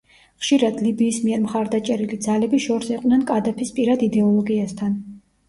ხშირად ლიბიის მიერ მხარდაჭერილი ძალები შორს იყვნენ კადაფის პირად იდეოლოგიასთან.